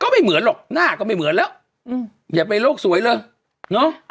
ไม่เหมือนหรอกหน้าก็ไม่เหมือนแล้วอืมอย่าไปโลกสวยเลยเนอะ